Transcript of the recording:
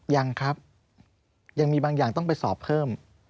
ยังครับยังมีบางอย่างต้องไปสอบเพิ่ม